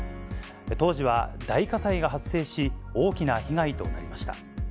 当時は大火災が発生し、大きな被害となりました。